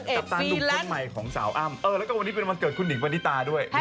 เอ้อแล้วก็วันที่เป็นวันเกิดคุณดิงบานิตาด้วย